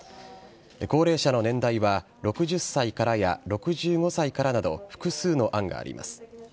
高齢者の年代は６０歳からや６５歳からなど複数の案があります。